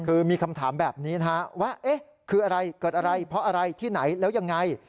คือมีคำถามแบบนี้นะฮะว่าเอ๊ะคืออะไรเกิดอะไรเพราะอะไรที่ไหนแล้วยังไง